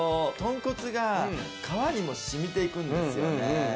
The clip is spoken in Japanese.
とんこつが皮にもしみていくんですよ。